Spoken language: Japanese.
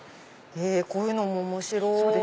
こういうのも面白い。